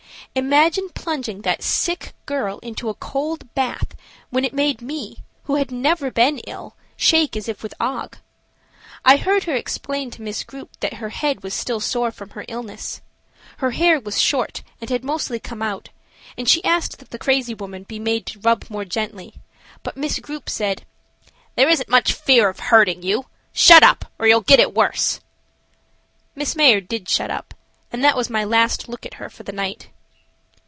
Imagine plunging that sick girl into a cold bath when it made me, who have never been ill, shake as if with ague. I heard her explain to Miss Grupe that her head was still sore from her illness. Her hair was short and had mostly come out, and she asked that the crazy woman be made to rub more gently, but Miss Grupe said: "There isn't much fear of hurting you. Shut up, or you'll get it worse." Miss Mayard did shut up, and that was my last look at her for the night.